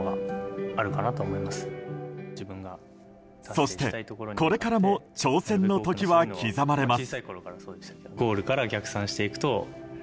そして、これからも挑戦の時は刻まれます。